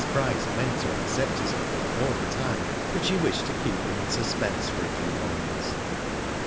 Bryce meant to accept his offer all the time, but she wished to keep him in suspense for a few moments.